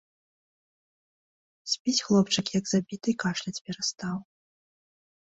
Спіць хлопчык, як забіты, і кашляць перастаў.